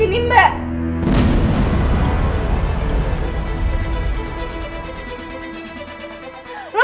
kita tidak bergantung ini lagi